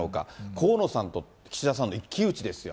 河野さんと岸田さんの一騎打ちですよ。